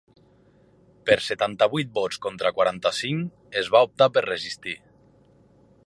Per setanta-vuit vots contra quaranta-cinc, es va optar per resistir.